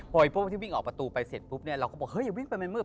พอไอ้พวกที่วิ่งออกประตูไปเสร็จปุ๊บเนี่ยเราก็บอกเฮ้ยอย่าวิ่งไปมันมืด